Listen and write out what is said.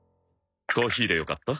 コーヒーでよかった？